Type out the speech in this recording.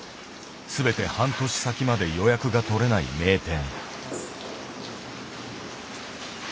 すべて半年先まで予約が取れない名店。